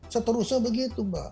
seterusnya begitu mbak